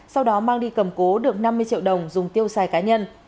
sau đó mang đi cầm cố được năm mươi triệu đồng dùng tiêu xài cá nhân